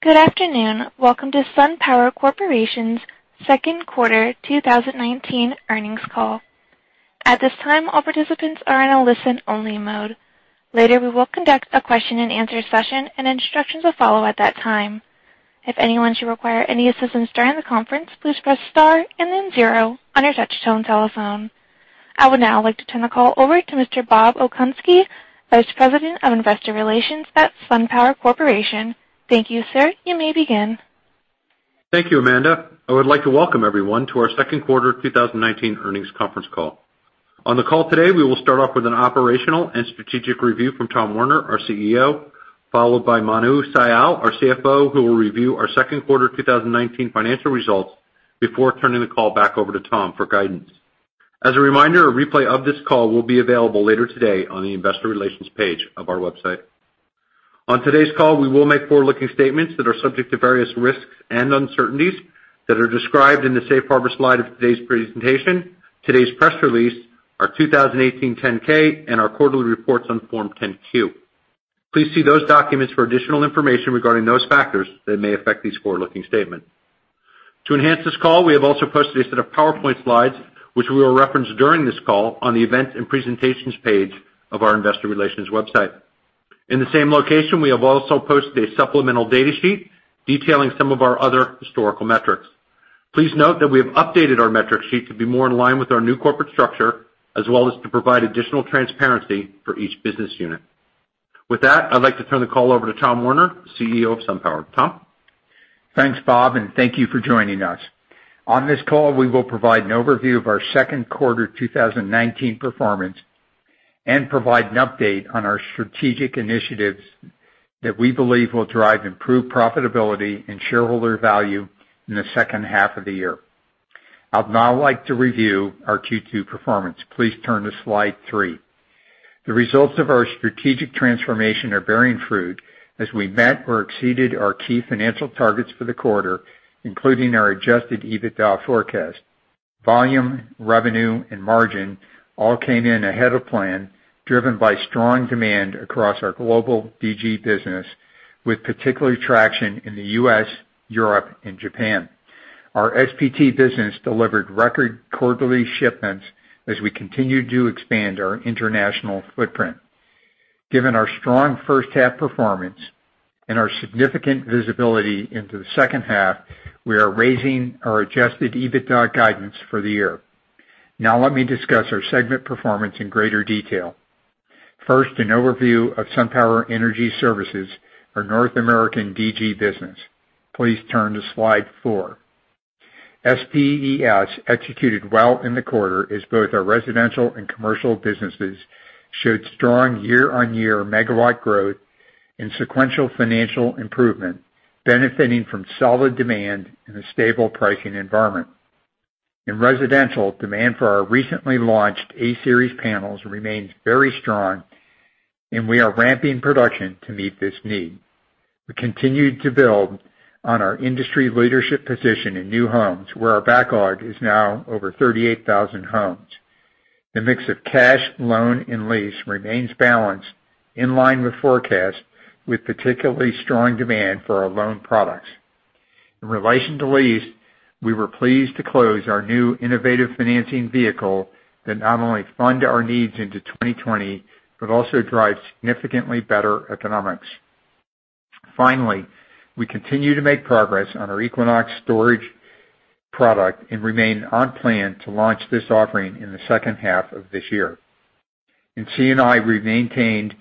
Good afternoon. Welcome to SunPower Corporation's second quarter 2019 earnings call. At this time, all participants are in a listen-only mode. Later, we will conduct a question and answer session and instructions will follow at that time. If anyone should require any assistance during the conference, please press star and then zero on your touch-tone telephone. I would now like to turn the call over to Mr. Bob Okunski, Vice President of Investor Relations at SunPower Corporation. Thank you, sir. You may begin. Thank you, Amanda. I would like to welcome everyone to our second quarter 2019 earnings conference call. On the call today, we will start off with an operational and strategic review from Tom Werner, our CEO, followed by Manu Sial, our CFO, who will review our second quarter 2019 financial results before turning the call back over to Tom for guidance. As a reminder, a replay of this call will be available later today on the investor relations page of our website. On today's call, we will make forward-looking statements that are subject to various risks and uncertainties that are described in the Safe Harbor slide of today's presentation, today's press release, our 2018 10-K, and our quarterly reports on Form 10-Q. Please see those documents for additional information regarding those factors that may affect these forward-looking statements. To enhance this call, we have also posted a set of PowerPoint slides, which we will reference during this call on the Events and Presentations page of our investor relations website. In the same location, we have also posted a supplemental data sheet detailing some of our other historical metrics. Please note that we have updated our metric sheet to be more in line with our new corporate structure, as well as to provide additional transparency for each business unit. With that, I'd like to turn the call over to Tom Werner, CEO of SunPower. Tom? Thanks, Bob, and thank you for joining us. On this call, we will provide an overview of our second quarter 2019 performance and provide an update on our strategic initiatives that we believe will drive improved profitability and shareholder value in the second half of the year. I'd now like to review our Q2 performance. Please turn to slide three. The results of our strategic transformation are bearing fruit as we met or exceeded our key financial targets for the quarter, including our adjusted EBITDA forecast. Volume, revenue, and margin all came in ahead of plan, driven by strong demand across our global DG business, with particular traction in the U.S., Europe, and Japan. Our SPT business delivered record quarterly shipments as we continued to expand our international footprint. Given our strong first half performance and our significant visibility into the second half, we are raising our adjusted EBITDA guidance for the year. Let me discuss our segment performance in greater detail. First, an overview of SunPower Energy Services, our North American DG business. Please turn to slide four. SPES executed well in the quarter as both our residential and commercial businesses showed strong year-on-year megawatt growth and sequential financial improvement, benefiting from solid demand and a stable pricing environment. In residential, demand for our recently launched A-Series panels remains very strong, and we are ramping production to meet this need. We continued to build on our industry leadership position in new homes, where our backlog is now over 38,000 homes. The mix of cash, loan, and lease remains balanced, in line with forecast, with particularly strong demand for our loan products. In relation to lease, we were pleased to close our new innovative financing vehicle that not only fund our needs into 2020, but also drives significantly better economics. We continue to make progress on our Equinox storage product and remain on plan to launch this offering in the second half of this year. In C&I, we've maintained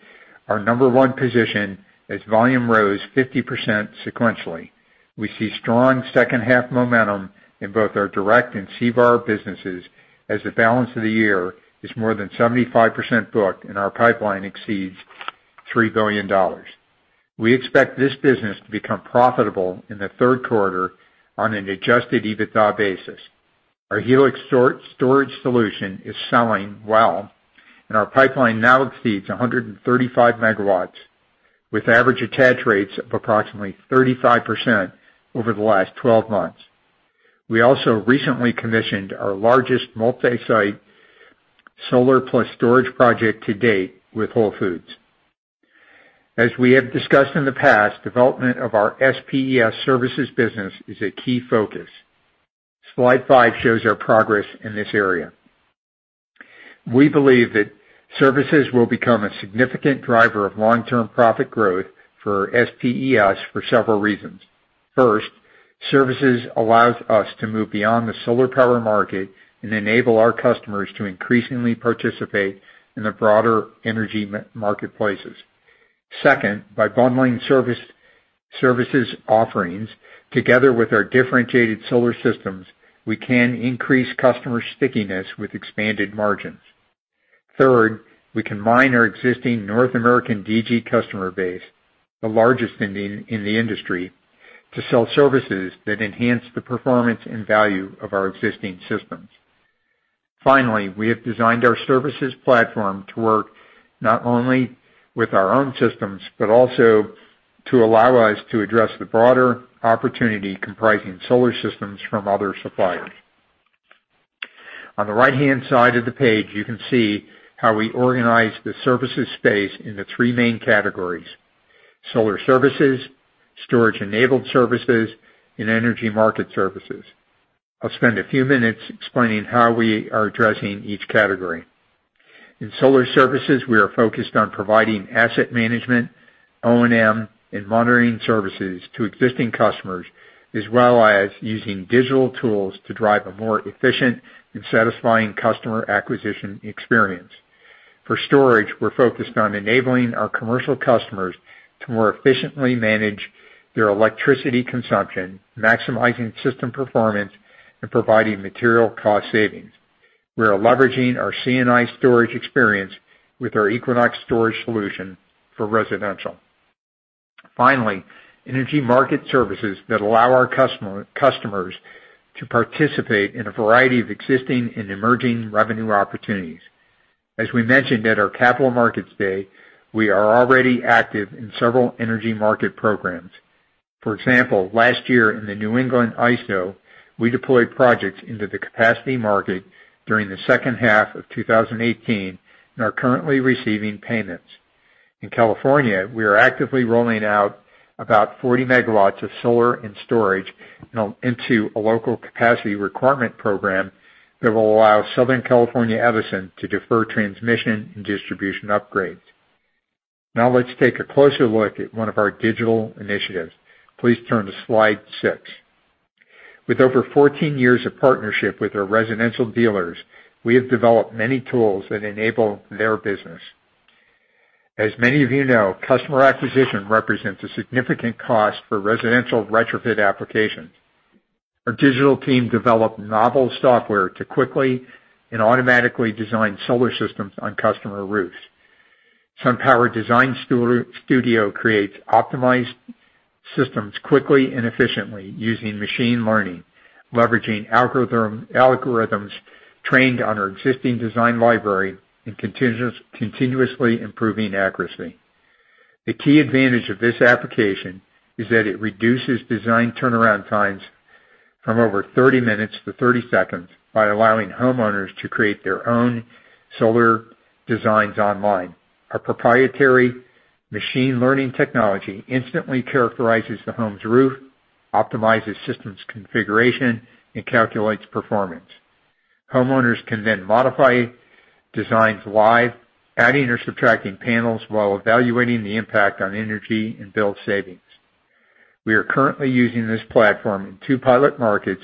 our number one position as volume rose 50% sequentially. We see strong second half momentum in both our direct and channel VAR businesses as the balance of the year is more than 75% booked and our pipeline exceeds $3 billion. We expect this business to become profitable in the third quarter on an adjusted EBITDA basis. Our Helix storage solution is selling well, and our pipeline now exceeds 135 megawatts, with average attach rates of approximately 35% over the last 12 months. We also recently commissioned our largest multi-site solar plus storage project to date with Whole Foods. As we have discussed in the past, development of our SPES services business is a key focus. Slide five shows our progress in this area. We believe that services will become a significant driver of long-term profit growth for SPES for several reasons. First, services allows us to move beyond the solar power market and enable our customers to increasingly participate in the broader energy marketplaces. Second, by bundling services offerings together with our differentiated solar systems, we can increase customer stickiness with expanded margins. Third, we can mine our existing North American DG customer base, the largest in the industry, to sell services that enhance the performance and value of our existing systems. Finally, we have designed our services platform to work not only with our own systems, but also to allow us to address the broader opportunity comprising solar systems from other suppliers. On the right-hand side of the page, you can see how we organize the services space into 3 main categories: solar services, storage-enabled services, and energy market services. I'll spend a few minutes explaining how we are addressing each category. In solar services, we are focused on providing asset management, O&M, and monitoring services to existing customers, as well as using digital tools to drive a more efficient and satisfying customer acquisition experience. For storage, we're focused on enabling our commercial customers to more efficiently manage their electricity consumption, maximizing system performance, and providing material cost savings. We are leveraging our C&I storage experience with our Equinox storage solution for residential. Finally, energy market services that allow our customers to participate in a variety of existing and emerging revenue opportunities. As we mentioned at our Capital Markets Day, we are already active in several energy market programs. For example, last year in the New England ISO, we deployed projects into the capacity market during the second half of 2018 and are currently receiving payments. In California, we are actively rolling out about 40 MW of solar and storage into a local capacity requirement program that will allow Southern California Edison to defer transmission and distribution upgrades. Let's take a closer look at one of our digital initiatives. Please turn to slide six. With over 14 years of partnership with our residential dealers, we have developed many tools that enable their business. As many of you know, customer acquisition represents a significant cost for residential retrofit applications. Our digital team developed novel software to quickly and automatically design solar systems on customer roofs. SunPower Design Studio creates optimized systems quickly and efficiently using machine learning, leveraging algorithms trained on our existing design library and continuously improving accuracy. The key advantage of this application is that it reduces design turnaround times from over 30 minutes to 30 seconds by allowing homeowners to create their own solar designs online. Our proprietary machine learning technology instantly characterizes the home's roof, optimizes systems configuration, and calculates performance. Homeowners can then modify designs live, adding or subtracting panels while evaluating the impact on energy and bill savings. We are currently using this platform in two pilot markets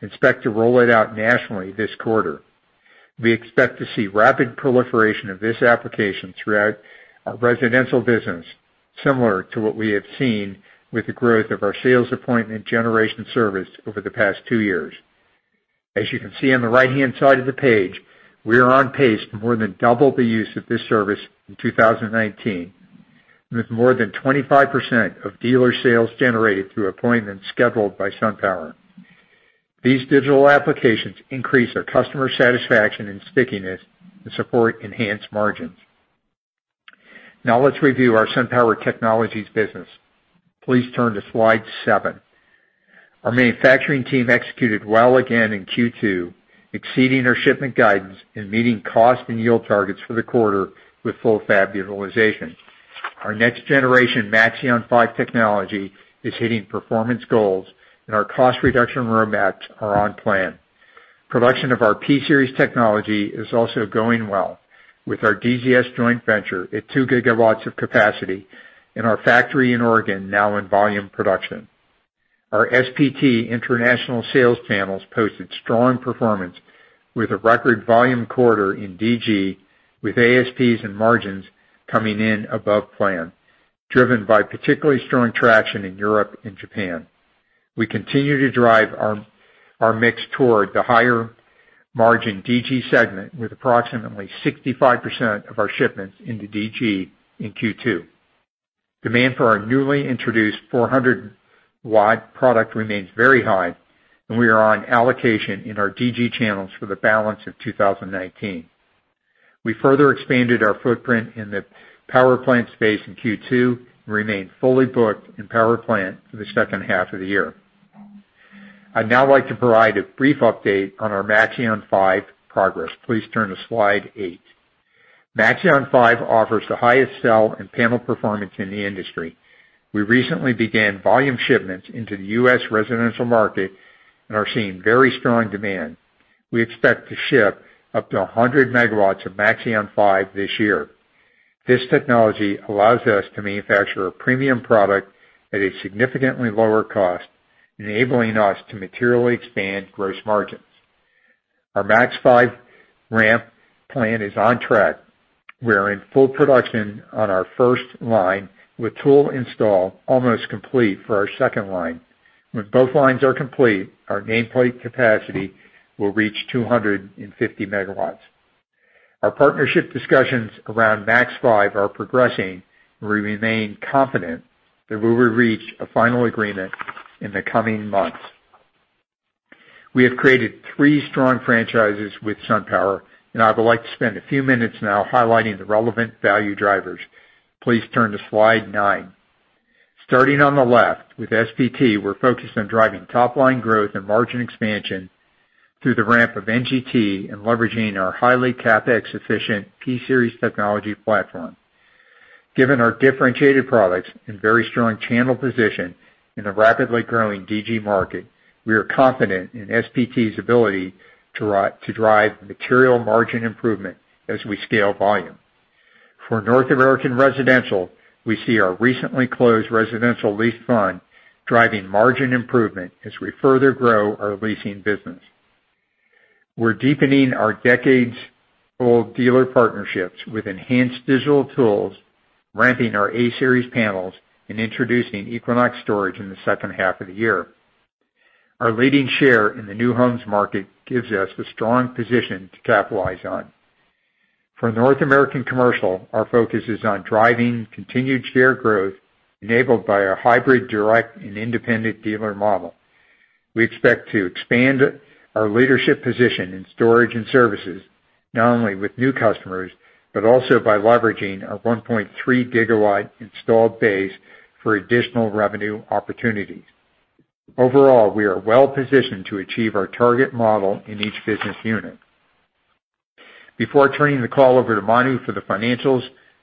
and expect to roll it out nationally this quarter. We expect to see rapid proliferation of this application throughout our residential business, similar to what we have seen with the growth of our sales appointment generation service over the past two years. As you can see on the right-hand side of the page, we are on pace to more than double the use of this service in 2019, with more than 25% of dealer sales generated through appointments scheduled by SunPower. These digital applications increase our customer satisfaction and stickiness and support enhanced margins. Let's review our SunPower Technologies business. Please turn to slide seven. Our manufacturing team executed well again in Q2, exceeding our shipment guidance and meeting cost and yield targets for the quarter with full fab utilization. Our next generation Maxeon 5 technology is hitting performance goals and our cost reduction roadmaps are on plan. Production of our P-Series technology is also going well with our DZS joint venture at 2 gigawatts of capacity and our factory in Oregon now in volume production. Our SPT international sales panels posted strong performance with a record volume quarter in DG, with ASPs and margins coming in above plan, driven by particularly strong traction in Europe and Japan. We continue to drive our mix toward the higher margin DG segment, with approximately 65% of our shipments into DG in Q2. Demand for our newly introduced 400-watt product remains very high, and we are on allocation in our DG channels for the balance of 2019. We further expanded our footprint in the power plant space in Q2 and remain fully booked in power plant for the second half of the year. I'd now like to provide a brief update on our Maxeon 5 progress. Please turn to slide eight. Maxeon 5 offers the highest cell and panel performance in the industry. We recently began volume shipments into the U.S. residential market and are seeing very strong demand. We expect to ship up to 100 MW of Maxeon 5 this year. This technology allows us to manufacture a premium product at a significantly lower cost, enabling us to materially expand gross margins. Our Max 5 ramp plan is on track. We're in full production on our first line with tool install almost complete for our second line. When both lines are complete, our nameplate capacity will reach 250 MW. Our partnership discussions around Max 5 are progressing, and we remain confident that we will reach a final agreement in the coming months. We have created three strong franchises with SunPower, and I would like to spend a few minutes now highlighting the relevant value drivers. Please turn to slide nine. Starting on the left, with SPT, we're focused on driving top-line growth and margin expansion through the ramp of NGT and leveraging our highly CapEx-efficient P-Series technology platform. Given our differentiated products and very strong channel position in a rapidly growing DG market, we are confident in SPT's ability to drive material margin improvement as we scale volume. For North American Residential, we see our recently closed residential lease fund driving margin improvement as we further grow our leasing business. We're deepening our decades-old dealer partnerships with enhanced digital tools, ramping our A-Series panels, and introducing Equinox Storage in the second half of the year. Our leading share in the new homes market gives us a strong position to capitalize on. For North American Commercial, our focus is on driving continued share growth enabled by our hybrid direct and independent dealer model. We expect to expand our leadership position in storage and services, not only with new customers, but also by leveraging our 1.3 gigawatt installed base for additional revenue opportunities. Overall, we are well-positioned to achieve our target model in each business unit. Before turning the call over to Manu for the financials,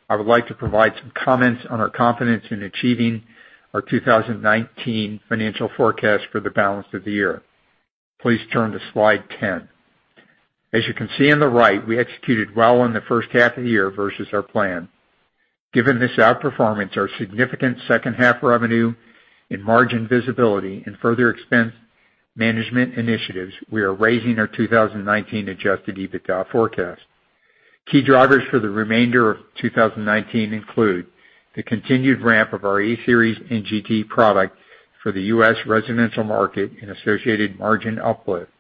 I would like to provide some comments on our confidence in achieving our 2019 financial forecast for the balance of the year. Please turn to slide 10. As you can see on the right, we executed well in the first half of the year versus our plan. Given this outperformance, our significant second-half revenue and margin visibility, and further expense management initiatives, we are raising our 2019 adjusted EBITDA forecast. Key drivers for the remainder of 2019 include the continued ramp of our A-Series NGT product for the U.S. residential market and associated margin uplift,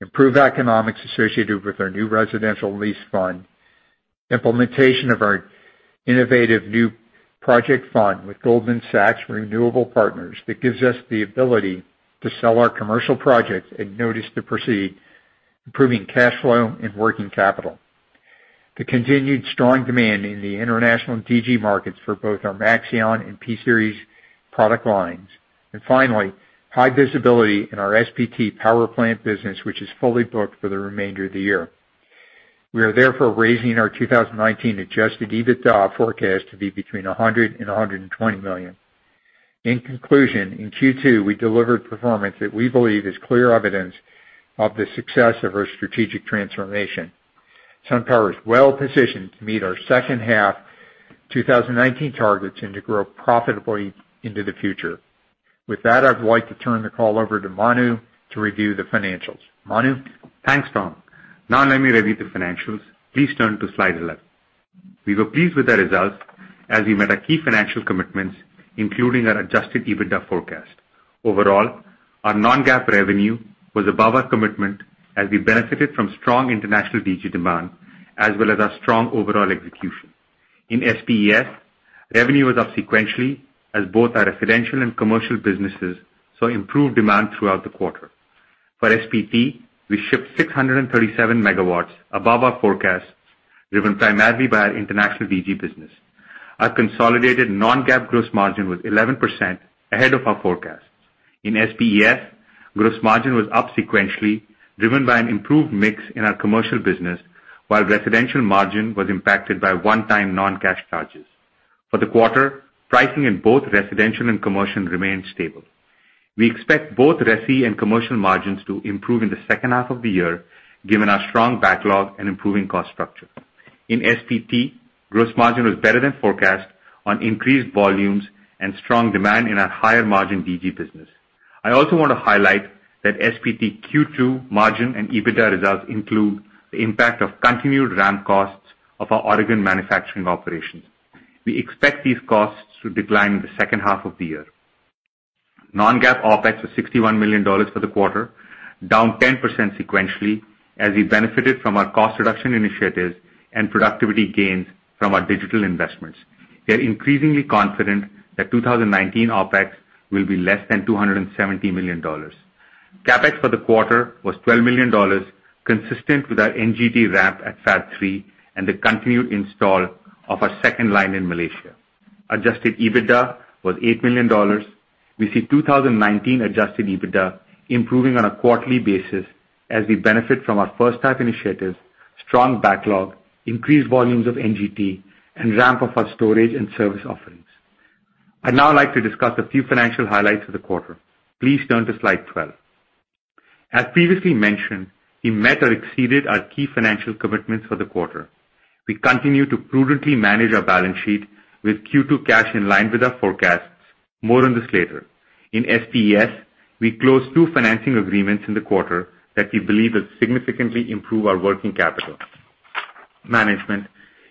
improved economics associated with our new residential lease fund, implementation of our innovative new project fund with Goldman Sachs Renewable Power that gives us the ability to sell our commercial projects at notice to proceed, improving cash flow and working capital. The continued strong demand in the international DG markets for both our Maxeon and P-Series product lines. Finally, high visibility in our SPT power plant business, which is fully booked for the remainder of the year. We are therefore raising our 2019 adjusted EBITDA forecast to be between $100 million and $120 million. In conclusion, in Q2, we delivered performance that we believe is clear evidence of the success of our strategic transformation. SunPower is well-positioned to meet our second-half 2019 targets and to grow profitably into the future. With that, I'd like to turn the call over to Manu to review the financials. Manu? Thanks, Tom. Now let me review the financials. Please turn to slide 11. We were pleased with the results as we met our key financial commitments, including our adjusted EBITDA forecast. Overall, our non-GAAP revenue was above our commitment as we benefited from strong international DG demand as well as our strong overall execution. In SPES, revenue was up sequentially as both our residential and commercial businesses saw improved demand throughout the quarter. For SPT, we shipped 637 megawatts above our forecast, driven primarily by our international DG business. Our consolidated non-GAAP gross margin was 11%, ahead of our forecast. In SPES, gross margin was up sequentially, driven by an improved mix in our commercial business, while residential margin was impacted by one-time non-cash charges. For the quarter, pricing in both residential and commercial remained stable. We expect both resi and commercial margins to improve in the second half of the year given our strong backlog and improving cost structure. In SPT, gross margin was better than forecast on increased volumes and strong demand in our higher margin DG business. I also want to highlight that SPT Q2 margin and EBITDA results include the impact of continued ramp costs of our Oregon manufacturing operations. We expect these costs to decline in the second half of the year. Non-GAAP OpEx was $61 million for the quarter, down 10% sequentially as we benefited from our cost reduction initiatives and productivity gains from our digital investments. We are increasingly confident that 2019 OpEx will be less than $270 million. CapEx for the quarter was $12 million, consistent with our NGT ramp at Fab 3 and the continued install of our second line in Malaysia. Adjusted EBITDA was $8 million. We see 2019 adjusted EBITDA improving on a quarterly basis as we benefit from our first-type initiatives, strong backlog, increased volumes of NGT, and ramp of our storage and service offerings. I'd now like to discuss a few financial highlights of the quarter. Please turn to slide 12. As previously mentioned, we met or exceeded our key financial commitments for the quarter. We continue to prudently manage our balance sheet with Q2 cash in line with our forecasts. More on this later. In SPES, we closed two financing agreements in the quarter that we believe will significantly improve our working capital management,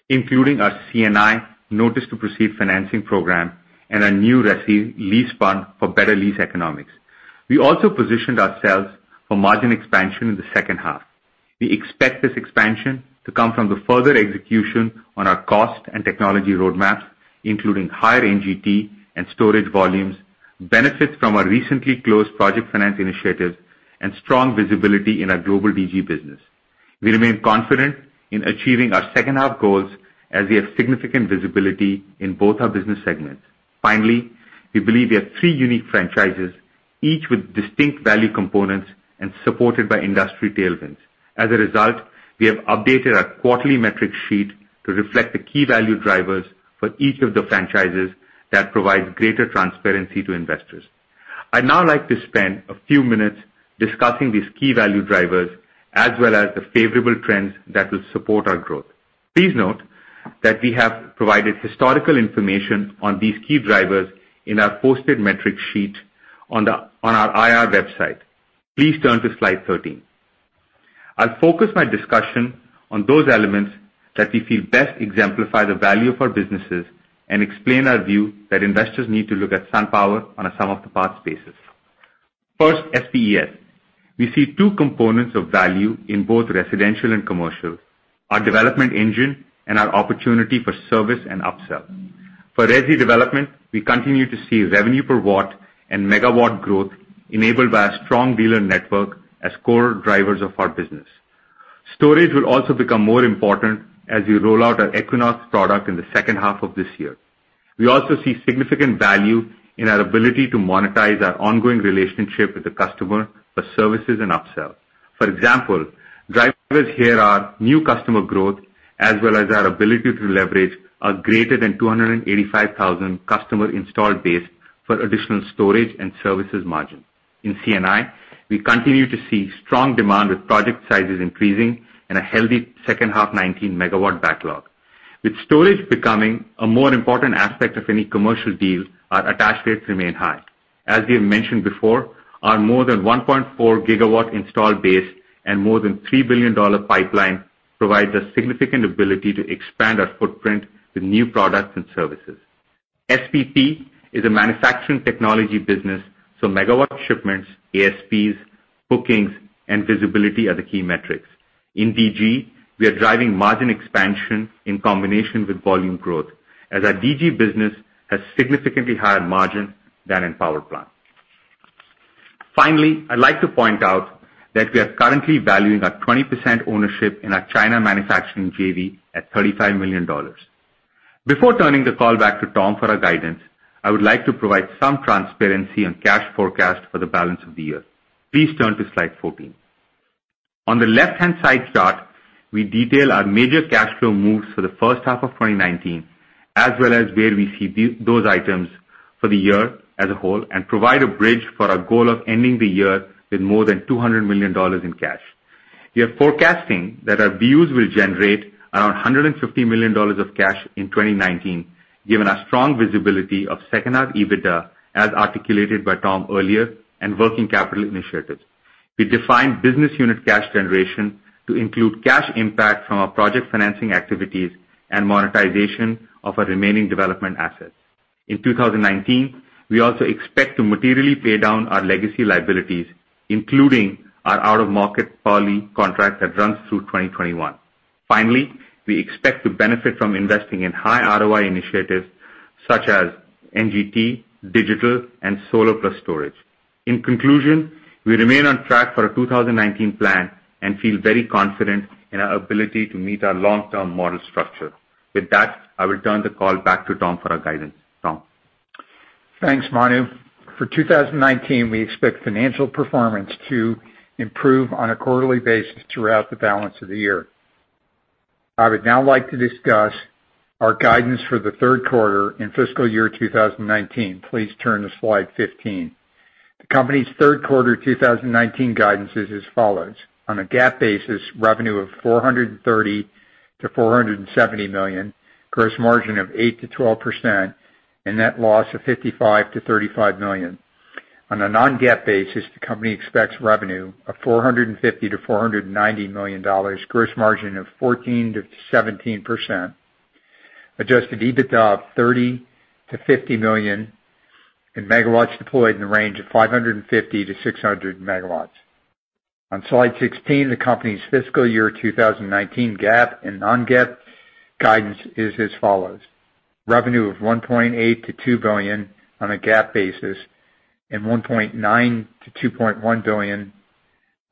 including our C&I Notice to Proceed financing program and our new resi lease fund for better lease economics. We also positioned ourselves for margin expansion in the second half. We expect this expansion to come from the further execution on our cost and technology roadmaps, including higher NGT and storage volumes, benefits from our recently closed project finance initiatives, and strong visibility in our global DG business. We remain confident in achieving our second half goals as we have significant visibility in both our business segments. Finally, we believe we have three unique franchises, each with distinct value components and supported by industry tailwinds. As a result, we have updated our quarterly metric sheet to reflect the key value drivers for each of the franchises that provides greater transparency to investors. I'd now like to spend a few minutes discussing these key value drivers as well as the favorable trends that will support our growth. Please note that we have provided historical information on these key drivers in our posted metric sheet on our IR website. Please turn to slide 13. I'll focus my discussion on those elements that we feel best exemplify the value of our businesses and explain our view that investors need to look at SunPower on a sum of the parts basis. First, SPES. We see two components of value in both residential and commercial, our development engine, and our opportunity for service and upsell. For resi development, we continue to see revenue per watt and megawatt growth enabled by a strong dealer network as core drivers of our business. Storage will also become more important as we roll out our Equinox product in the second half of this year. We also see significant value in our ability to monetize our ongoing relationship with the customer for services and upsell. For example, drivers here are new customer growth as well as our ability to leverage a greater than 285,000 customer installed base for additional storage and services margin. In C&I, we continue to see strong demand with project sizes increasing and a healthy second half 2019 megawatt backlog. With storage becoming a more important aspect of any commercial deal, our attach rates remain high. As we have mentioned before, our more than 1.4 gigawatt installed base and more than $3 billion pipeline provides a significant ability to expand our footprint with new products and services. SPT is a manufacturing technology business, so megawatt shipments, ASPs, bookings, and visibility are the key metrics. In DG, we are driving margin expansion in combination with volume growth, as our DG business has significantly higher margin than in power plant. Finally, I'd like to point out that we are currently valuing our 20% ownership in our China manufacturing JV at $35 million. Before turning the call back to Tom for our guidance, I would like to provide some transparency on cash forecast for the balance of the year. Please turn to slide 14. On the left-hand side chart, we detail our major cash flow moves for the first half of 2019, as well as where we see those items for the year as a whole and provide a bridge for our goal of ending the year with more than $200 million in cash. We are forecasting that our views will generate around $150 million of cash in 2019, given our strong visibility of second half EBITDA as articulated by Tom earlier and working capital initiatives. We define business unit cash generation to include cash impact from our project financing activities and monetization of our remaining development assets. In 2019, we also expect to materially pay down our legacy liabilities, including our out-of-market power lease contract that runs through 2021. We expect to benefit from investing in high ROI initiatives such as NGT, digital, and solar plus storage. In conclusion, we remain on track for our 2019 plan and feel very confident in our ability to meet our long-term model structure. With that, I will turn the call back to Tom for our guidance. Tom? Thanks, Manu. For 2019, we expect financial performance to improve on a quarterly basis throughout the balance of the year. I would now like to discuss our guidance for the third quarter in fiscal year 2019. Please turn to slide 15. The company's third quarter 2019 guidance is as follows. On a GAAP basis, revenue of $430 million-$470 million, gross margin of 8%-12%, and net loss of $55 million-$35 million. On a non-GAAP basis, the company expects revenue of $450 million-$490 million, gross margin of 14%-17%, adjusted EBITDA of $30 million-$50 million, and megawatts deployed in the range of 550-600 megawatts. On slide 16, the company's fiscal year 2019 GAAP and non-GAAP guidance is as follows. Revenue of $1.8 billion-$2 billion on a GAAP basis, and $1.9 billion-$2.1 billion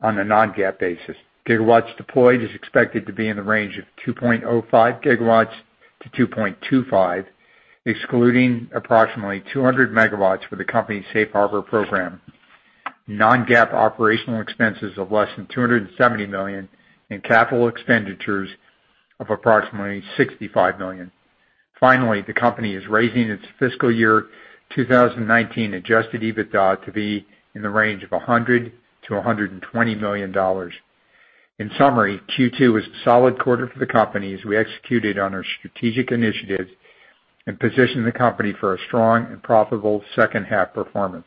on a non-GAAP basis. Gigawatts deployed is expected to be in the range of 2.05 gigawatts to 2.25, excluding approximately 200 megawatts for the company's Safe Harbor program. Non-GAAP operational expenses of less than $270 million and capital expenditures of approximately $65 million. Finally, the company is raising its fiscal year 2019 adjusted EBITDA to be in the range of $100 million-$120 million. In summary, Q2 was a solid quarter for the company as we executed on our strategic initiatives and positioned the company for a strong and profitable second half performance.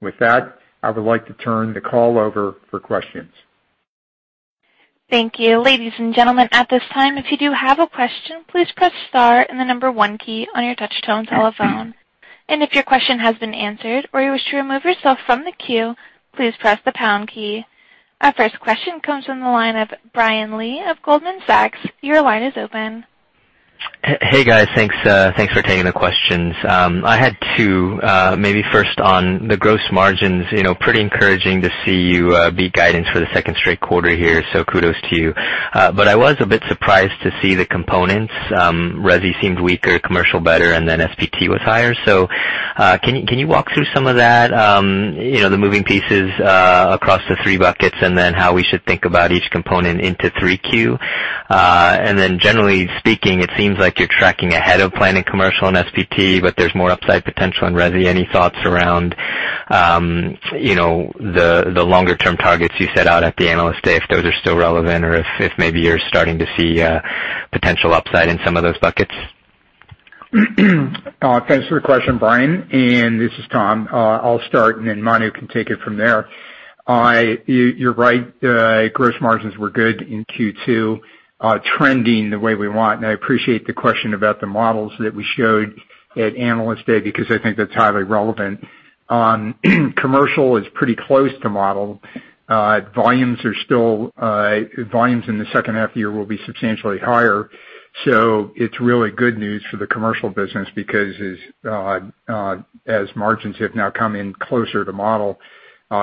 With that, I would like to turn the call over for questions. Thank you. Ladies and gentlemen, at this time, if you do have a question, please press star and the number one key on your touch-tone telephone. If your question has been answered or you wish to remove yourself from the queue, please press the pound key. Our first question comes from the line of Brian Lee of Goldman Sachs. Your line is open. Hey guys, thanks for taking the questions. I had two. Maybe first on the gross margins. Pretty encouraging to see you beat guidance for the second straight quarter here, so kudos to you. I was a bit surprised to see the components. Resi seemed weaker, Commercial better, and then SPT was higher. Can you walk through some of that, the moving pieces across the three buckets, and then how we should think about each component into 3Q? Generally speaking, it seems like you're tracking ahead of planning Commercial and SPT, but there's more upside potential in Resi. Any thoughts around the longer-term targets you set out at the Analyst Day, if those are still relevant or if maybe you're starting to see potential upside in some of those buckets? Thanks for the question, Brian. This is Tom. I'll start and then Manu can take it from there. You're right, gross margins were good in Q2, trending the way we want. I appreciate the question about the models that we showed at Analyst Day, because I think that's highly relevant. Commercial is pretty close to model. Volumes in the second half of the year will be substantially higher. It's really good news for the Commercial business because as margins have now come in closer to model,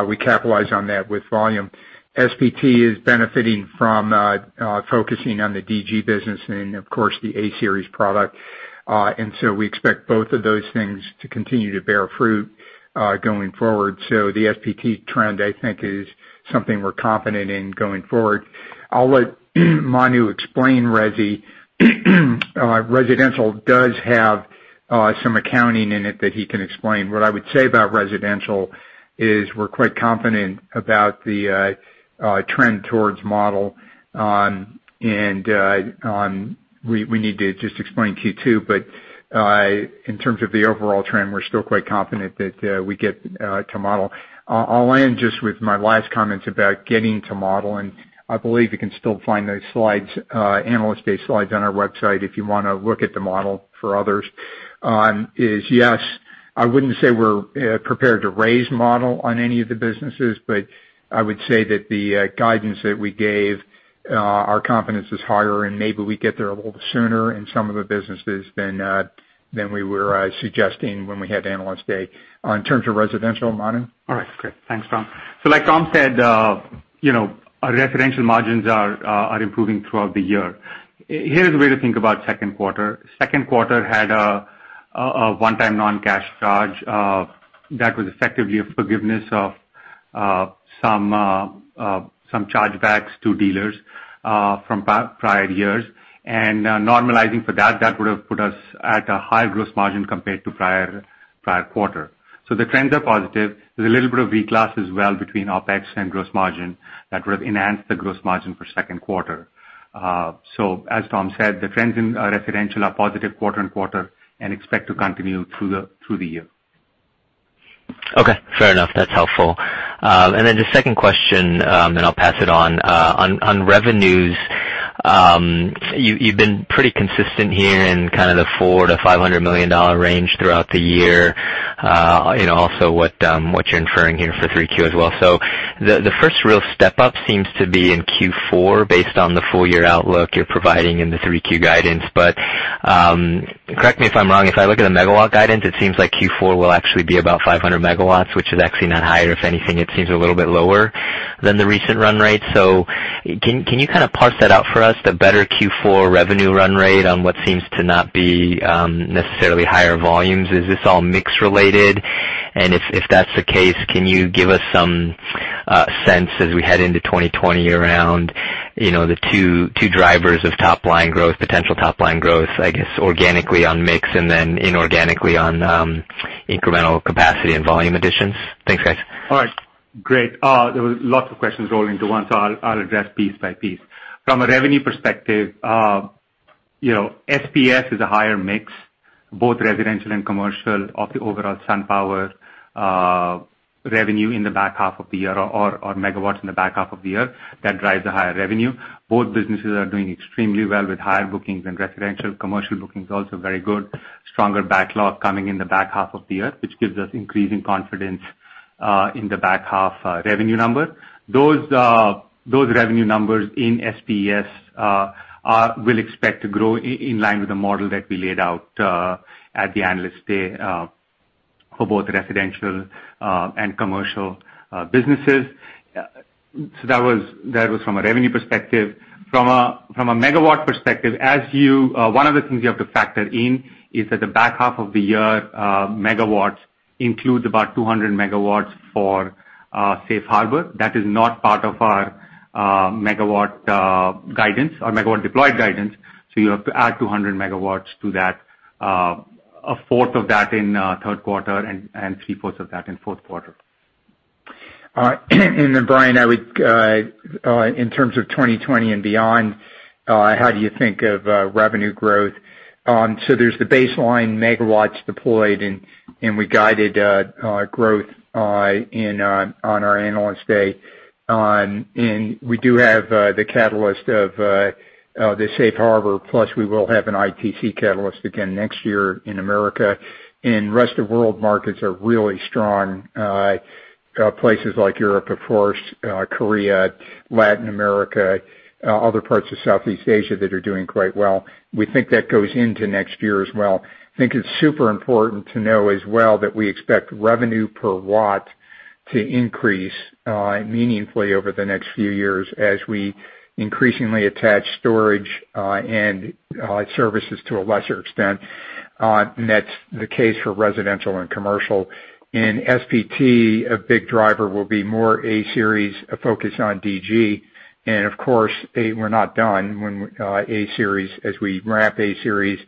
we capitalize on that with volume. SPT is benefiting from focusing on the DG business and, of course, the A-Series product. We expect both of those things to continue to bear fruit going forward. The SPT trend, I think, is something we're confident in going forward. I'll let Manu explain Resi. Residential does have some accounting in it that he can explain. What I would say about residential is we're quite confident about the trend towards model, and we need to just explain Q2. In terms of the overall trend, we're still quite confident that we get to model. I'll end just with my last comments about getting to model, and I believe you can still find those Analyst Day slides on our website if you want to look at the model for others. Is yes, I wouldn't say we're prepared to raise model on any of the businesses, but I would say that the guidance that we gave, our confidence is higher and maybe we get there a little sooner in some of the businesses than we were suggesting when we had Analyst Day. In terms of residential, Manu? All right, great. Thanks, Tom. Like Tom said, our residential margins are improving throughout the year. Here's a way to think about second quarter. Second quarter had a one-time non-cash charge that was effectively a forgiveness of some chargebacks to dealers from prior years. Normalizing for that would've put us at a high gross margin compared to prior quarter. The trends are positive. There's a little bit of reclass as well between OpEx and gross margin that would enhance the gross margin for second quarter. As Tom said, the trends in residential are positive quarter and quarter and expect to continue through the year. Okay, fair enough. That's helpful. The second question, then I'll pass it on. On revenues, you've been pretty consistent here in kind of the $400 to $500 million range throughout the year, and also what you're inferring here for three Q as well. The first real step up seems to be in Q4 based on the full year outlook you're providing in the three Q guidance. Correct me if I'm wrong, if I look at the megawatt guidance, it seems like Q4 will actually be about 500 megawatts, which is actually not higher. If anything, it seems a little bit lower than the recent run rate. Can you kind of parse that out for us, the better Q4 revenue run rate on what seems to not be necessarily higher volumes? Is this all mix related? If that's the case, can you give us some sense as we head into 2020 around the two drivers of potential top-line growth, I guess organically on mix and then inorganically on incremental capacity and volume additions? Thanks, guys. All right. Great. There was lots of questions rolled into one, so I'll address piece by piece. From a revenue perspective, SPES is a higher mix, both residential and commercial of the overall SunPower revenue in the back half of the year or megawatts in the back half of the year that drives the higher revenue. Both businesses are doing extremely well with higher bookings and residential commercial bookings, also very good. Stronger backlog coming in the back half of the year, which gives us increasing confidence in the back half revenue number. Those revenue numbers in SPES we'll expect to grow in line with the model that we laid out at the Analyst Day for both residential and commercial businesses. That was from a revenue perspective. From a megawatt perspective, one of the things you have to factor in is that the back half of the year, megawatts includes about 200 megawatts for Safe Harbor. That is not part of our megawatt deployed guidance. You have to add 200 megawatts to that. A fourth of that in third quarter and three fourths of that in fourth quarter. Brian, in terms of 2020 and beyond, how do you think of revenue growth? There's the baseline megawatts deployed, and we guided growth on our Analyst Day. We do have the catalyst of the Safe Harbor, plus we will have an ITC catalyst again next year in the U.S., and rest of world markets are really strong. Places like Europe, of course, Korea, Latin America, other parts of Southeast Asia that are doing quite well. We think that goes into next year as well. It's super important to know as well that we expect revenue per watt to increase meaningfully over the next few years as we increasingly attach storage and services to a lesser extent. That's the case for residential and commercial. In SPT, a big driver will be more A-Series, a focus on DG, and of course, we're not done as we ramp A-Series,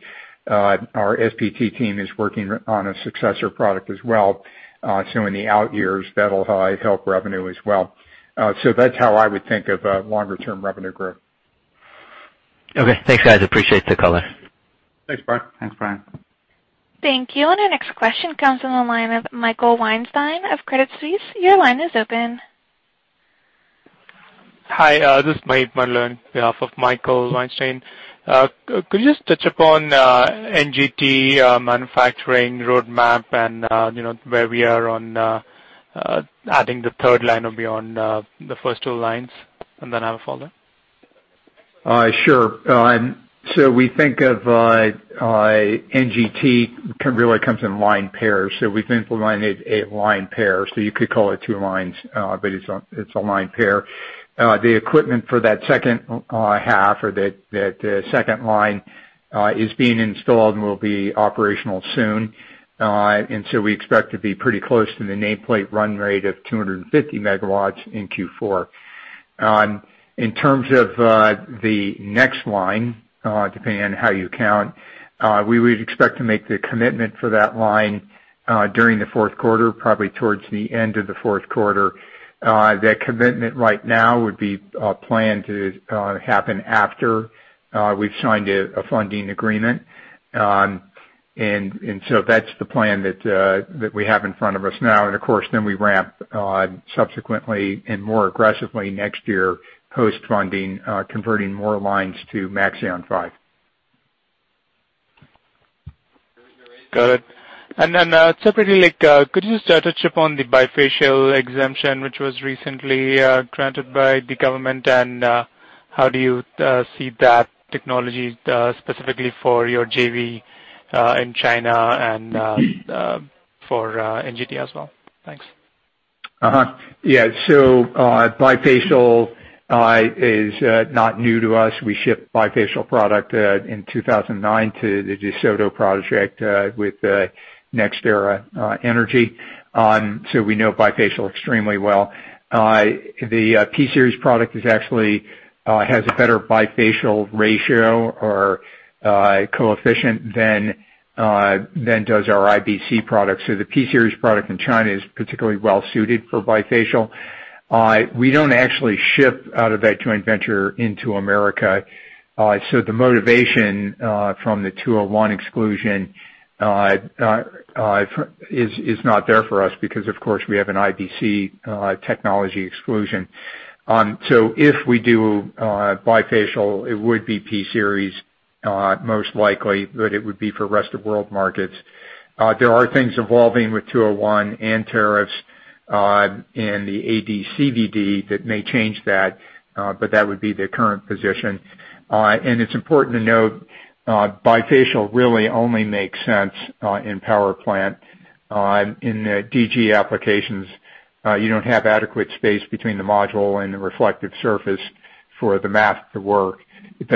our SPT team is working on a successor product as well. In the out years, that'll help revenue as well. That's how I would think of longer-term revenue growth. Okay. Thanks, guys. Appreciate the call. Thanks, Brian. Thanks, Brian. Thank you. Our next question comes from the line of Michael Weinstein of Credit Suisse. Your line is open. Hi, this is Maheep Mandloi on behalf of Michael Weinstein. Could you just touch upon NGT manufacturing roadmap and where we are on adding the third line or beyond the first two lines? Then I have a follow-up. Sure. We think of NGT really comes in line pairs. We've implemented a line pair. You could call it two lines, but it's a line pair. The equipment for that second half or that second line is being installed and will be operational soon. We expect to be pretty close to the nameplate run rate of 250 MW in Q4. In terms of the next line, depending on how you count, we would expect to make the commitment for that line during the fourth quarter, probably towards the end of the fourth quarter. That commitment right now would be planned to happen after we've signed a funding agreement. That's the plan that we have in front of us now. Of course, then we ramp on subsequently and more aggressively next year, post-funding, converting more lines to Maxeon 5. Got it. Separately, could you just touch upon the bifacial exemption which was recently granted by the government and how do you see that technology specifically for your JV in China and for NGT as well? Thanks. Uh-huh. Yeah. Bifacial is not new to us. We shipped bifacial product in 2009 to the DeSoto project with NextEra Energy, so we know bifacial extremely well. The P-Series product actually has a better bifacial ratio or coefficient than does our IBC product. The P-Series product in China is particularly well-suited for bifacial. We don't actually ship out of that joint venture into America. The motivation from the Section 201 exclusion is not there for us because, of course, we have an IBC technology exclusion. If we do bifacial, it would be P-Series most likely, but it would be for rest-of-world markets. There are things evolving with Section 201 and tariffs and the AD/CVD that may change that, but that would be the current position. It's important to note, bifacial really only makes sense in power plant. In DG applications, you don't have adequate space between the module and the reflective surface for the math to work. It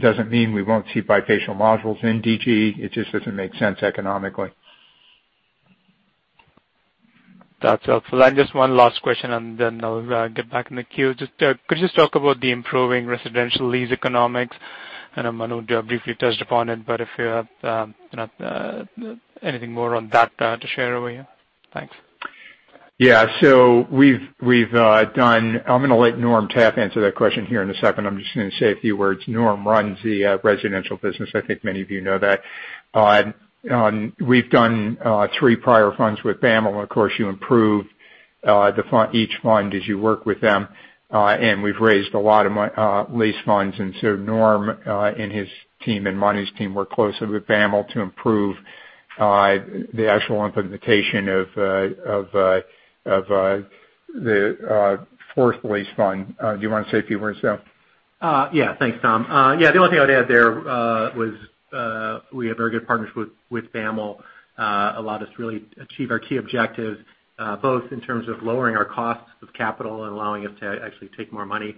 doesn't mean we won't see bifacial modules in DG. It just doesn't make sense economically. That's helpful. Just one last question, and then I'll get back in the queue. Could you just talk about the improving residential lease economics? I know Manu briefly touched upon it, but if you have anything more on that to share with you? Thanks. Yeah. I'm going to let Norm Taffe answer that question here in a second. I'm just going to say a few words. Norm runs the residential business, I think many of you know that. We've done three prior funds with BAML, and of course, you improve each fund as you work with them, and we've raised a lot of lease funds. Norm and his team and Manu's team work closely with BAML to improve the actual implementation of the fourth lease fund. Do you want to say a few words, Norm? Yeah. Thanks, Tom. Yeah, the only thing I'd add there was we have very good partnership with BAML. Allowed us to really achieve our key objectives, both in terms of lowering our costs of capital and allowing us to actually take more money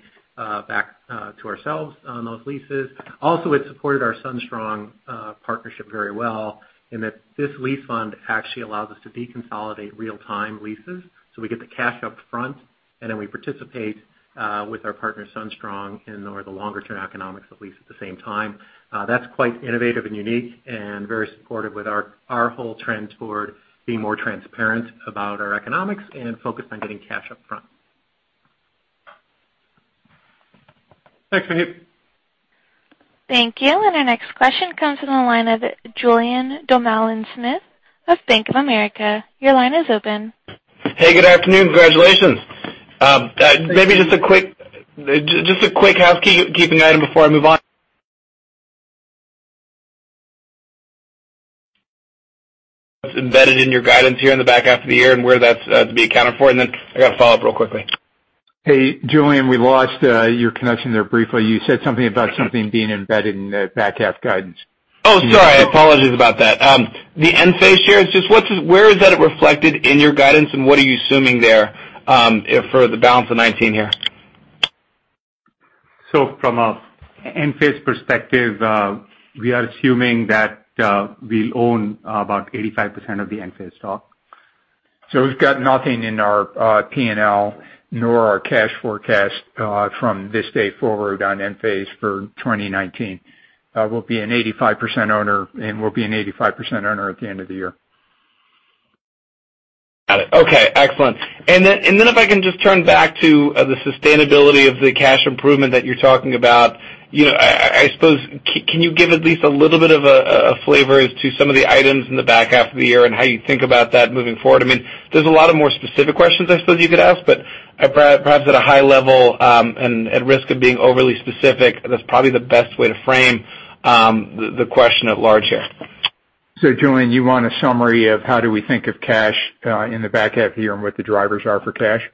back to ourselves on those leases. Also, it supported our SunStrong partnership very well in that this lease fund actually allows us to deconsolidate real-time leases. We get the cash up front, and then we participate with our partner, SunStrong, in the longer-term economics of leases at the same time. That's quite innovative and unique and very supportive with our whole trend toward being more transparent about our economics and focused on getting cash up front. Thanks, Maheep. Thank you. Our next question comes from the line of Julien Dumoulin-Smith of Bank of America. Your line is open. Hey, good afternoon. Congratulations. Maybe just a quick housekeeping item before I move on embedded in your guidance here in the back half of the year and where that's to be accounted for. Then I got a follow-up real quickly. Hey, Julien, we lost your connection there briefly. You said something about something being embedded in the back half guidance. Oh, sorry. Apologies about that. The Enphase shares, just where is that reflected in your guidance, and what are you assuming there, for the balance of 2019 here? From an Enphase perspective, we are assuming that we'll own about 85% of the Enphase stock. We've got nothing in our P&L nor our cash forecast from this day forward on Enphase for 2019. We'll be an 85% owner, and we'll be an 85% owner at the end of the year. Got it. Okay, excellent. Then if I can just turn back to the sustainability of the cash improvement that you're talking about. I suppose, can you give at least a little bit of a flavor as to some of the items in the back half of the year and how you think about that moving forward? There's a lot of more specific questions I suppose you could ask, but perhaps at a high level, and at risk of being overly specific, that's probably the best way to frame the question at large here. Julien, you want a summary of how do we think of cash, in the back half of the year and what the drivers are for cash?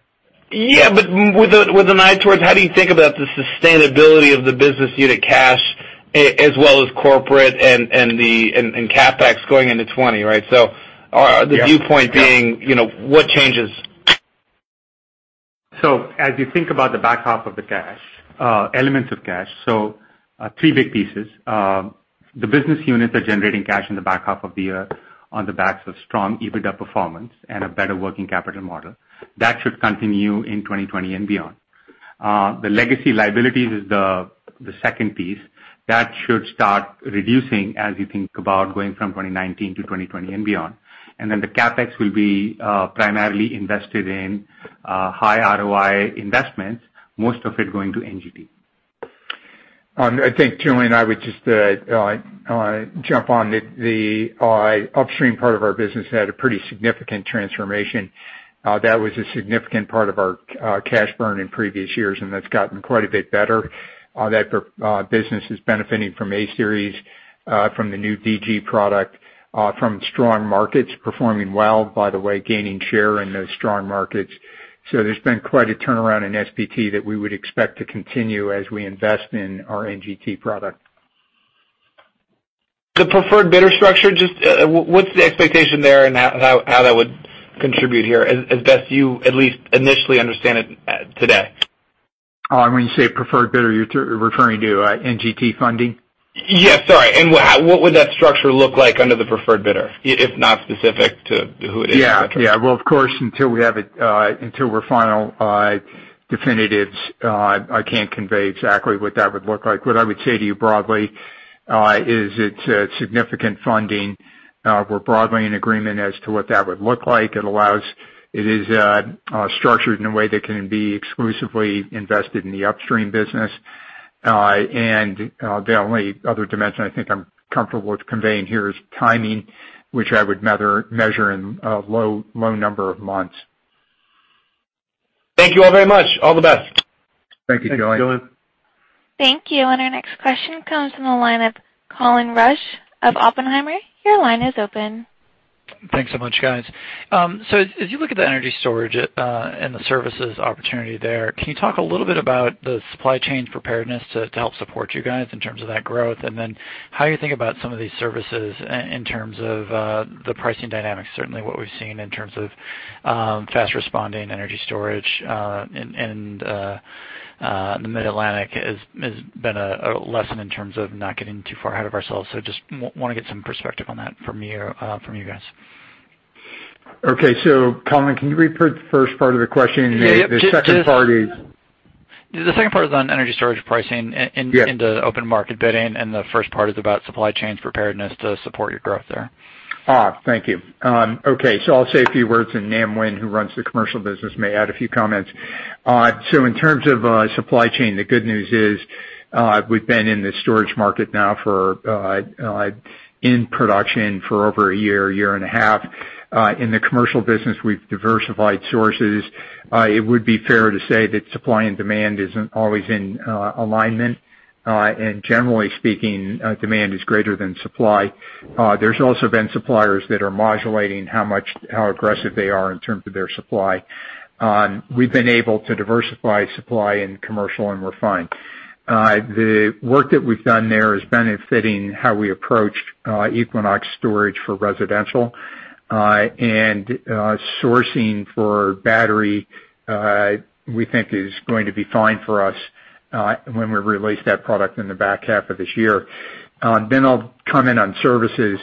Yeah, with an eye towards how do you think about the sustainability of the business unit cash as well as corporate and CapEx going into 2020, right? Yeah the viewpoint being what changes? As you think about the back half of the cash, elements of cash. Three big pieces. The business units are generating cash in the back half of the year on the backs of strong EBITDA performance and a better working capital model. That should continue in 2020 and beyond. The legacy liabilities is the second piece. That should start reducing as you think about going from 2019 to 2020 and beyond. The CapEx will be primarily invested in high ROI investments, most of it going to NGT. I think Julien, I would just jump on the upstream part of our business had a pretty significant transformation. That was a significant part of our cash burn in previous years, and that's gotten quite a bit better. That business is benefiting from A-Series, from the new DG product, from strong markets performing well, by the way, gaining share in those strong markets. There's been quite a turnaround in SPT that we would expect to continue as we invest in our NGT product. The preferred bidder structure, just what's the expectation there and how that would contribute here, as best you at least initially understand it today? When you say preferred bidder, you're referring to NGT funding? Yeah, sorry. What would that structure look like under the preferred bidder, if not specific to who it is? Yeah. Well, of course, until we have it, until we're final definitives, I can't convey exactly what that would look like. What I would say to you broadly, is it's significant funding. We're broadly in agreement as to what that would look like. It is structured in a way that can be exclusively invested in the upstream business. The only other dimension I think I'm comfortable with conveying here is timing, which I would measure in a low number of months. Thank you all very much. All the best. Thank you, Julien. Thanks, Julien. Thank you. Our next question comes from the line of Colin Rusch of Oppenheimer. Your line is open. Thanks so much, guys. As you look at the energy storage, and the services opportunity there, can you talk a little bit about the supply chain preparedness to help support you guys in terms of that growth? Then how you think about some of these services in terms of the pricing dynamics? Certainly, what we've seen in terms of fast responding energy storage, and the Mid-Atlantic has been a lesson in terms of not getting too far ahead of ourselves. Just want to get some perspective on that from you guys. Okay. Colin, can you repeat the first part of the question? Yeah. The second part is. The second part is on energy storage pricing. Yeah into open market bidding. The first part is about supply chains preparedness to support your growth there. Thank you. Okay. I'll say a few words, and Nam Nguyen, who runs the commercial business, may add a few comments. In terms of supply chain, the good news is, we've been in the storage market now in production for over a year and a half. In the commercial business, we've diversified sources. It would be fair to say that supply and demand isn't always in alignment. Generally speaking, demand is greater than supply. There's also been suppliers that are modulating how aggressive they are in terms of their supply. We've been able to diversify supply in commercial, and we're fine. The work that we've done there is benefiting how we approached Equinox storage for residential. Sourcing for battery, we think is going to be fine for us, when we release that product in the back half of this year. I'll comment on services.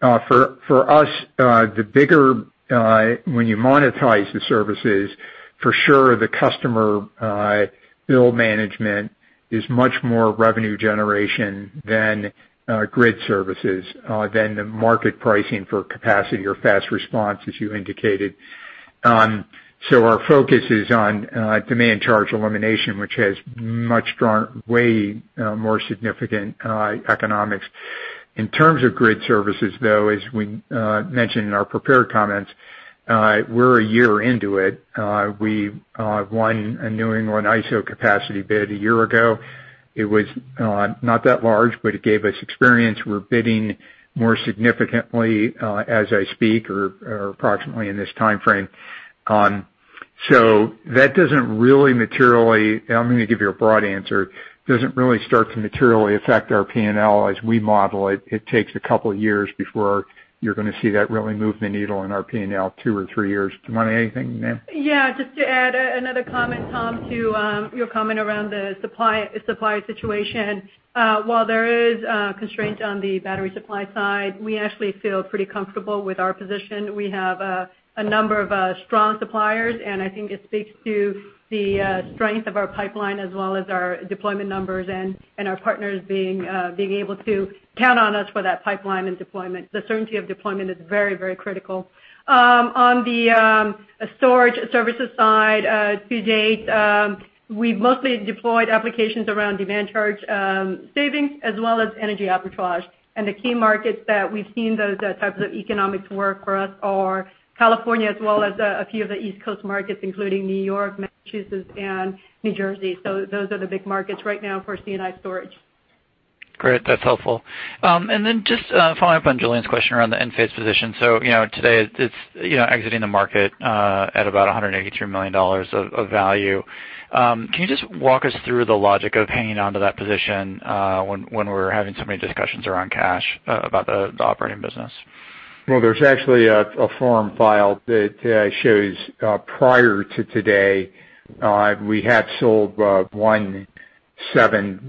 For us, when you monetize the services, for sure the customer bill management is much more revenue generation than grid services, than the market pricing for capacity or fast response, as you indicated. Our focus is on demand charge elimination, which has way more significant economics. In terms of grid services, though, as we mentioned in our prepared comments, we're a year into it. We won a New England ISO capacity bid a year ago. It was not that large, but it gave us experience. We're bidding more significantly, as I speak or approximately in this timeframe. That, I'm going to give you a broad answer, doesn't really start to materially affect our P&L as we model it. It takes a couple of years before you're going to see that really move the needle in our P&L two or three years. Do you want to add anything, Nam? Yeah, just to add another comment, Tom, to your comment around the supplier situation. While there is constraint on the battery supply side, we actually feel pretty comfortable with our position. We have a number of strong suppliers, and I think it speaks to the strength of our pipeline as well as our deployment numbers and our partners being able to count on us for that pipeline and deployment. The certainty of deployment is very critical. On the storage services side, to date, we've mostly deployed applications around demand charge savings as well as energy arbitrage. The key markets that we've seen those types of economics work for us are California as well as a few of the East Coast markets, including New York, Massachusetts, and New Jersey. Those are the big markets right now for C&I storage. Great. That's helpful. Then just following up on Julien's question around the Enphase position. Today it's exiting the market at about $182 million of value. Can you just walk us through the logic of hanging on to that position when we're having so many discussions around cash about the operating business? Well, there's actually a form filed that shows prior to today we had sold 1 million shares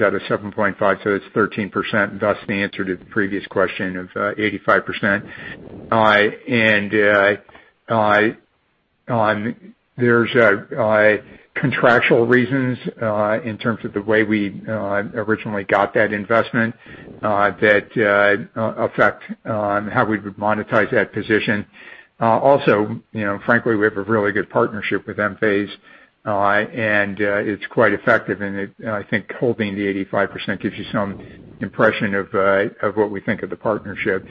out of 7.5, so it's 13%, thus the answer to the previous question of 85%. There's contractual reasons in terms of the way we originally got that investment that affect how we would monetize that position. Also, frankly, we have a really good partnership with Enphase, and it's quite effective. I think holding the 85% gives you some impression of what we think of the partnership.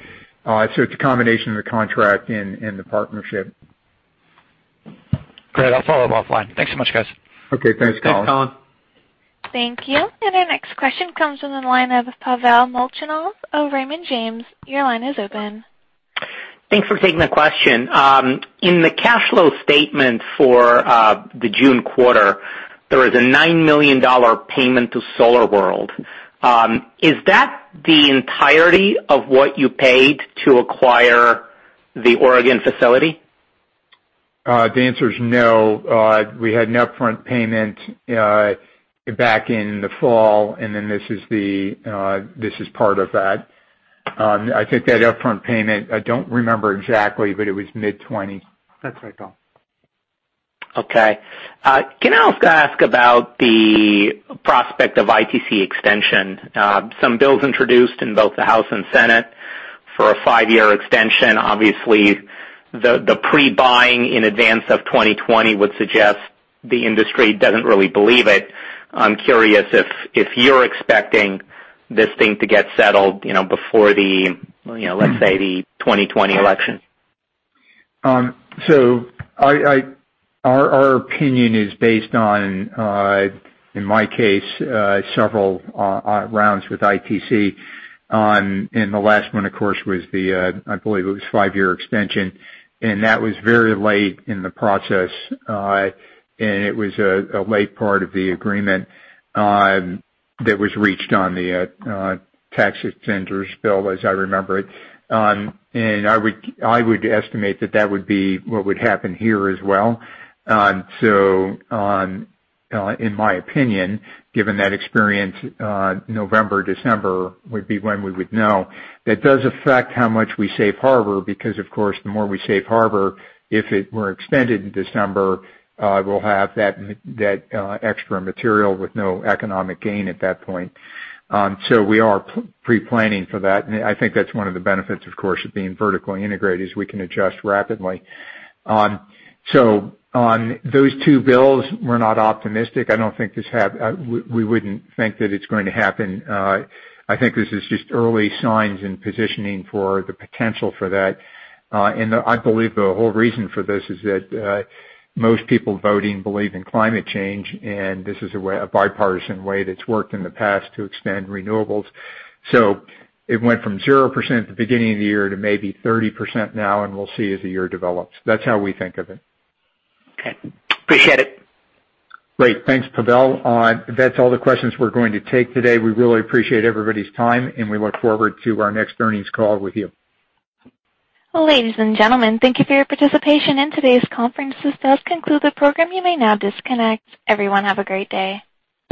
It's a combination of the contract and the partnership. Great. I'll follow up offline. Thanks so much, guys. Okay. Thanks, Colin. Thanks, Colin. Thank you. Our next question comes from the line of Pavel Molchanov of Raymond James. Your line is open. Thanks for taking the question. In the cash flow statement for the June quarter, there was a $9 million payment to SolarWorld. Is that the entirety of what you paid to acquire the Oregon facility? The answer is no. We had an upfront payment back in the fall, and then this is part of that. I think that upfront payment, I don't remember exactly, but it was mid-$20. That's right, Tom. Okay. Can I also ask about the prospect of ITC extension? Some bills introduced in both the House and Senate for a five-year extension. Obviously, the pre-buying in advance of 2020 would suggest the industry doesn't really believe it. I'm curious if you're expecting this thing to get settled before, let's say, the 2020 election. Our opinion is based on, in my case, several rounds with ITC. The last one, of course, was the, I believe it was five-year extension, and that was very late in the process. It was a late part of the agreement that was reached on the Tax Extenders bill, as I remember it. I would estimate that would be what would happen here as well. In my opinion, given that experience November, December would be when we would know. That does affect how much we Safe Harbor because, of course, the more we Safe Harbor, if it were extended in December, we'll have that extra material with no economic gain at that point. We are pre-planning for that, and I think that's one of the benefits, of course, of being vertically integrated is we can adjust rapidly. On those two bills, we're not optimistic. We wouldn't think that it's going to happen. I think this is just early signs and positioning for the potential for that. I believe the whole reason for this is that most people voting believe in climate change, and this is a bipartisan way that's worked in the past to expand renewables. It went from 0% at the beginning of the year to maybe 30% now, and we'll see as the year develops. That's how we think of it. Okay. Appreciate it. Great. Thanks, Pavel. That's all the questions we're going to take today. We really appreciate everybody's time, and we look forward to our next earnings call with you. Ladies and gentlemen, thank you for your participation in today's conference. This does conclude the program. You may now disconnect. Everyone have a great day.